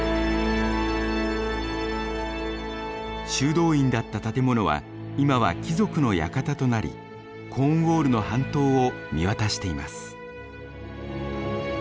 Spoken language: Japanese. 修道院だった建物は今は貴族の館となりコーンウォールの半島を見渡しています。